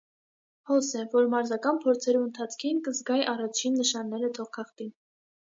Հոս է, որ մարզական փորձերու ընթացքին կը զգայ առաջին նշանները թոքախտին։